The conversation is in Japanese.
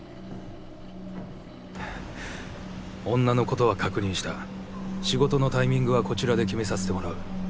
「女のことは確認した」「仕事のタイミングはこちらで決めさせてもらう」